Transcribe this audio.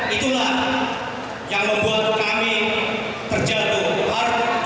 itulah yang membuat kami terjatuh keluar